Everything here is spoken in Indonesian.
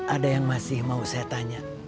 ada yang masih mau saya tanya